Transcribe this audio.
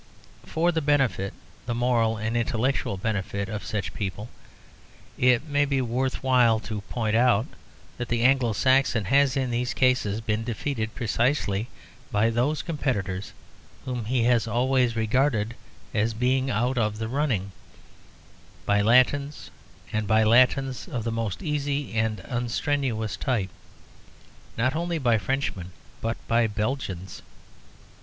For the benefit, the moral and intellectual benefit of such people, it may be worth while to point out that the Anglo Saxon has in these cases been defeated precisely by those competitors whom he has always regarded as being out of the running; by Latins, and by Latins of the most easy and unstrenuous type; not only by Frenchman, but by Belgians.